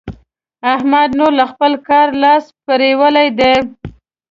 احمد نور له خپله کاره لاس پرېولی دی.